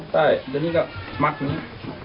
ใช่อันนี้ก็มัดตรงนี้